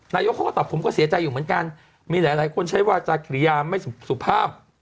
นายกเขาก็ตอบผมก็เสียใจอยู่เหมือนกันมีหลายหลายคนใช้วาจากกิริยาไม่สุภาพ